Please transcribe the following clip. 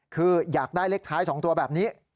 คืออยากได้เลขท้าย๒ตัวแบบนี้